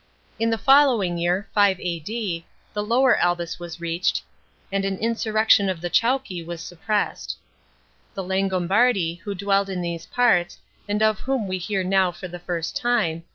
In the following year (5 A.D.) the Lower Albis was reached, and an insurrection of the Chauci was suppressed. The Langobardi, who dwelled in these parts, and of whom we hear now for the first time.